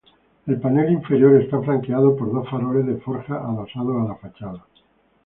El panel inferior está flanqueado por dos faroles de forja adosados a la fachada.